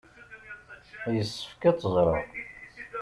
Yessefk ad tt-ẓreɣ.